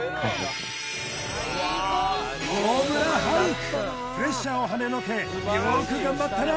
空プレッシャーをはねのけよーく頑張ったな